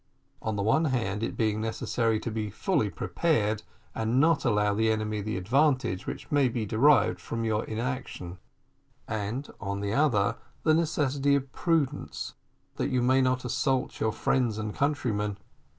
On the one hand, it being necessary to be fully prepared and not allow the enemy the advantage which may be derived from your inaction; and on the other, the necessity of prudence, that you may not assault your friends and countrymen.